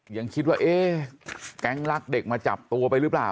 ยังคิดว่าเอ๊ะแก๊งรักเด็กมาจับตัวไปหรือเปล่า